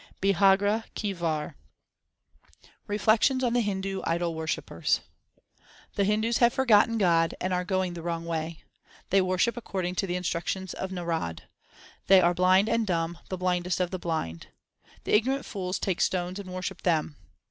BIHAGRE KI WAR Reflections on the Hindu idol worshippers : The Hindus have forgotten God, and are going the wrong way. They worship according to the instruction of Narad. 1 They are blind and dumb, the blindest of the blind. The ignorant fools take stones and worship them.